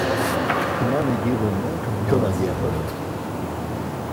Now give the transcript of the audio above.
İmani giğunna kyona geydvare